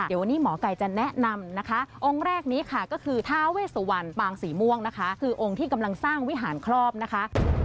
เดี๋ยววันนี้หมอไก่จะแนะนำนะคะองค์แรกนี้ค่ะก็คือทาเวสวรรณปางสีม่วงนะคะคือองค์ที่กำลังสร้างวิหารครอบนะคะ